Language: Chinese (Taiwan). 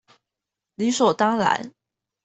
理所當然